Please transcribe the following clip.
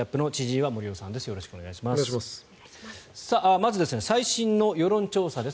まず最新の世論調査です。